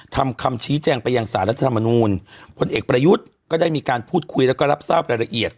คำชี้แจงไปยังสารรัฐธรรมนูลพลเอกประยุทธ์ก็ได้มีการพูดคุยแล้วก็รับทราบรายละเอียด